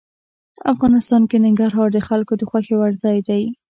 افغانستان کې ننګرهار د خلکو د خوښې وړ ځای دی.